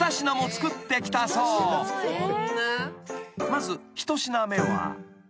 ［まず１品目は］